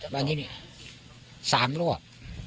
บางทีนี้๓รอบ